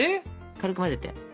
軽く混ぜて。